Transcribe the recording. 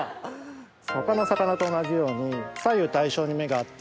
他の魚と同じように左右対称に目があって。